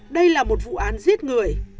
đây là một vụ án giết người